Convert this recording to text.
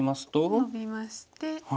ノビまして。